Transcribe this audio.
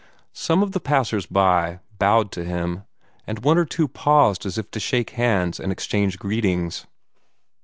Some of the passers by bowed to him, and one or two paused as if to shake hands and exchange greetings.